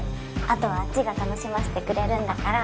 あとはあっちが楽しませてくれるんだから。